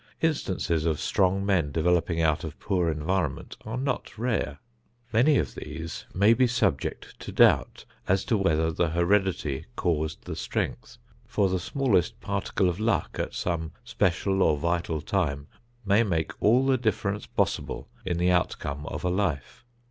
Instances of strong men developing out of poor environment are not rare. Many of these may be subject to doubt as to whether the heredity caused the strength, for the smallest particle of luck at some special or vital time may make all the difference possible in the outcome of a life.